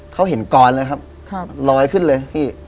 เขาเห็นกรเลยครับลอยขึ้นเลยพี่